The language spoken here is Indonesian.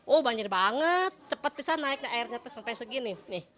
oh banjir banget cepat bisa naiknya airnya sampai segini